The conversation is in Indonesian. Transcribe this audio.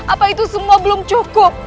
apa itu semua belum cukup